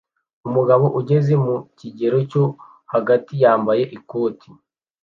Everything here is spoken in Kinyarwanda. Umugabo ugeze mu kigero cyo hagati yambaye ikoti